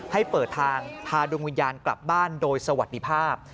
ให้เปิดทางพาดวงวิญญาณกลับบ้านโดยสวัสดีภาพ